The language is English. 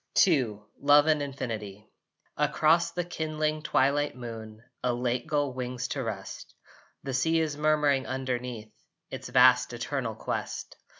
II LOVE AND INFINITY Across the kindling twilight moon A late gull wings to rest. The sea is murmuring underneath Its vast eternal quest.